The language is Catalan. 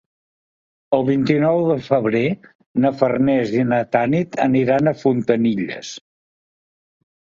El vint-i-nou de febrer na Farners i na Tanit aniran a Fontanilles.